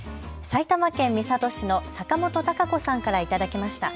埼玉県三郷市の坂本貴子さんから頂きました。